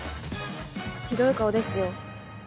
ひどい顔ですよ。